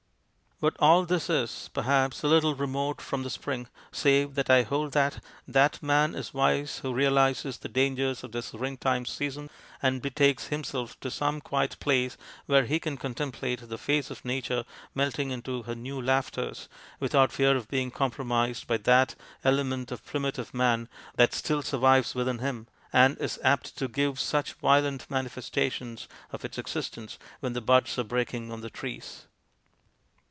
But all this is, perhaps, a little remote from the spring, save that I hold that that man is wise who realizes the dangers of this ring time season and betakes himself to some quiet place where he can contemplate the face of Nature melting into her new laughters without fear of being compromised by that element of primitive man that still sur vives within him, and is apt to give such violent manifestations of its existence when the buds are breaking on the trees.